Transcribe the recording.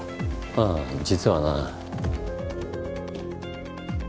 ああ実はな。